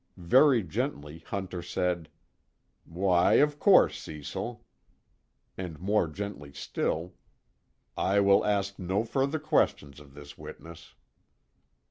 Very gently, Hunter said: "Why, of course, Cecil." And more gently still: "I will ask no further questions of this witness."